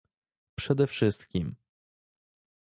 Przede wszystkim